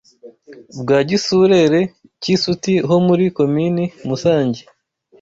bwa Gisurere cy’i Suti ho muri Komini Musange